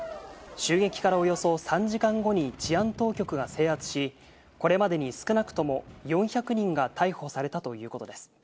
襲撃からおよそ３時間後に治安当局が制圧し、これまでに少なくとも４００人が逮捕されたということです。